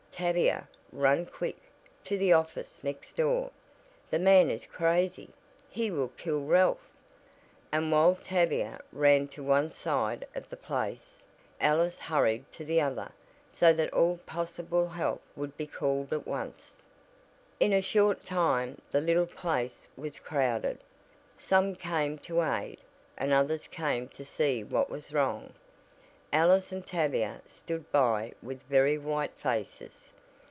"Tavia, run quick, to the office next door. That man is crazy. He will kill Ralph," and, while Tavia ran to one side of the place, Alice hurried to the other, so that all possible help would be called at once. In a short time the little place was crowded. Some came to aid, and others came to see what was wrong. Alice and Tavia stood by with very white faces.